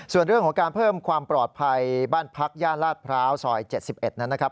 ส่วนเรื่องของการเพิ่มความปลอดภัยบ้านพักย่านลาดพร้าวซอย๗๑นั้นนะครับ